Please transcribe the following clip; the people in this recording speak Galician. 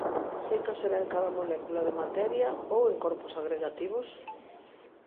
Seica será en cada molécula de materia ou en corpos agregativos?